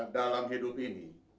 dalam hidup ini